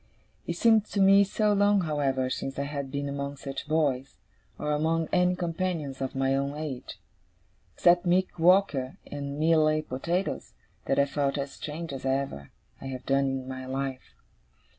It seemed to me so long, however, since I had been among such boys, or among any companions of my own age, except Mick Walker and Mealy Potatoes, that I felt as strange as ever I have done in my life.